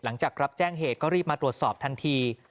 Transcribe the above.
หลังจากรับแจ้งเหตุก็รีบมาตรวจสอบทันที